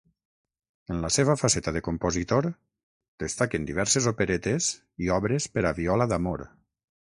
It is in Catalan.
En la seva faceta de compositor destaquen diverses operetes i obres per a viola d'amor.